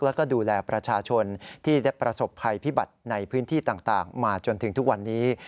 แล้วก็ดูแลประชาชนที่ได้ประสบภัยพิบัติในพื้นที่ต่างมาจนถึงทุกวันนี้